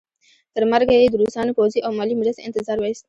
تر مرګه یې د روسانو پوځي او مالي مرستې انتظار وایست.